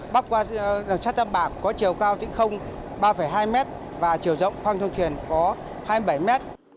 bắc qua đường sắt tâm bạc có chiều cao tĩnh không ba hai mét và chiều rộng khoang thông thuyền có hai mươi bảy m